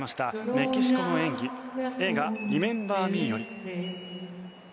メキシコの演技映画「リメンバー・ミー」より。